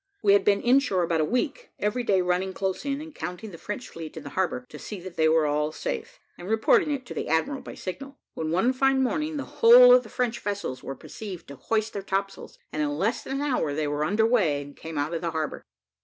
We had been in shore about a week, every day running close in, and counting the French fleet in the harbour, to see that they were all safe, and reporting it to the admiral by signal, when one fine morning, the whole of the French vessels were perceived to hoist their topsails, and in less than an hour they were under weigh, and came out of the harbour.